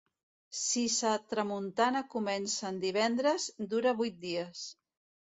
Si sa tramuntana comença en divendres, dura vuit dies.